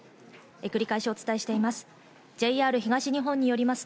繰り返しお伝えします。